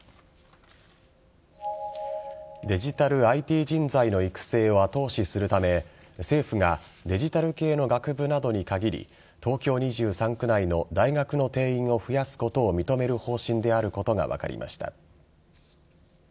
デジタルＩＴ人材の育成を後押しするため政府がデジタル系の学部などに限り東京２３区内の大学の定員を増やすことを認める方針であることが分かりました。